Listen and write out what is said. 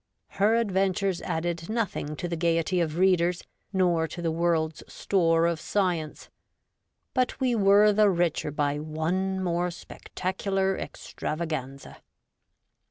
Her adventures added nothing to the gaiety of readers, nor to the world's store of science ; but we were the richer by one more spectacular extravaganza.